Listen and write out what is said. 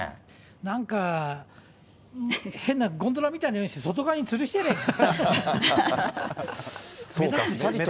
なんか変なゴンドラみたいなの用意して外側につるしてやればいい。